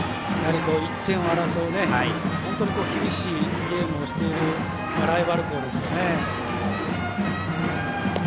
１点を争う本当に厳しいゲームをしているライバル校ですよね。